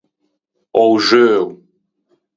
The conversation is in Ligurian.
A-o xeuo.